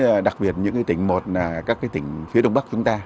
điều ý đặc biệt những tỉnh một là các tỉnh phía đông bắc chúng ta